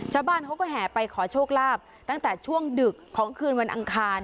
ชาวบ้านเขาก็แห่ไปขอโชคลาภตั้งแต่ช่วงดึกของคืนวันอังคาร